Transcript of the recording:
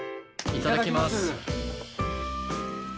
いただきます。